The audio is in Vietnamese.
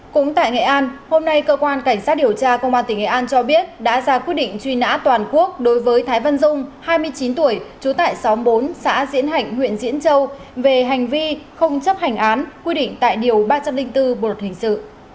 cũng tại nghệ an hôm nay cơ quan cảnh sát điều tra công an tỉnh nghệ an cho biết đã ra quyết định truy nã toàn quốc đối với thái văn dung hai mươi chín tuổi trú tại xóm bốn xã diễn hạnh huyện diễn châu về hành vi không chấp hành án quy định tại điều ba trăm linh bốn bộ luật hình sự